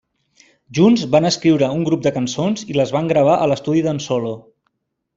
Junts, van escriure un grup de cançons i les van gravar a l'estudi d'en Solo.